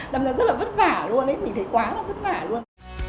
đó là rất là vất vả luôn mình thấy quá là vất vả luôn